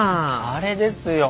あれですよ。